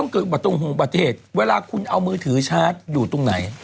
คือประตุงห่วงประเทศเวลาคุณเอามือถือชาร์จอยู่ตรงไหน